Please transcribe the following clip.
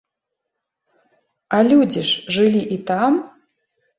А людзі ж жылі і там!